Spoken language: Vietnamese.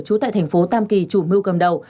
trú tại thành phố tam kỳ chủ mưu cầm đầu